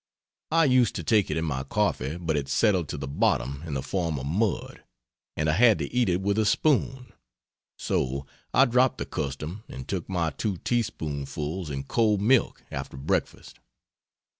I used to take it in my coffee, but it settled to the bottom in the form of mud, and I had to eat it with a spoon; so I dropped the custom and took my 2 teaspoonfuls in cold milk after breakfast.